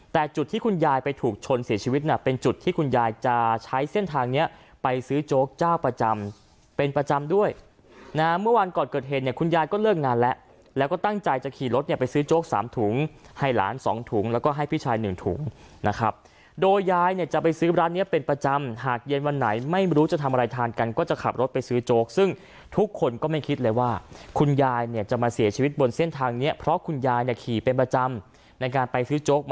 แต่จุดที่คุณยายไปถูกชนเสียชีวิตน่ะเป็นจุดที่คุณยายจะใช้เส้นทางเนี้ยไปซื้อโจ๊กเจ้าประจำเป็นประจำด้วยน่ะเมื่อวานก่อนเกิดเห็นเนี้ยคุณยายก็เลิกงานและแล้วก็ตั้งใจจะขี่รถเนี้ยไปซื้อโจ๊กสามถุงให้หลานสองถุงแล้วก็ให้พี่ชายหนึ่งถุงนะครับโดยายเนี้ยจะไปซื้อร้านเนี้ยเป็นประจำหากเย็น